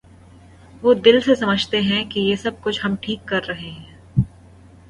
وہ دل سے سمجھتے ہیں کہ یہ سب کچھ ہم ٹھیک کر رہے ہیں۔